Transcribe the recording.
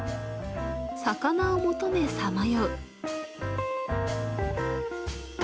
肴を求めさまよう。